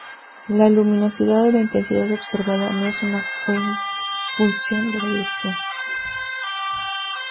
La luminosidad o la intensidad observada no es una función de la dirección.